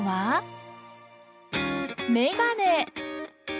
メガネ！